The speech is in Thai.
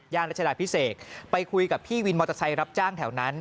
รัชดาพิเศษไปคุยกับพี่วินมอเตอร์ไซค์รับจ้างแถวนั้น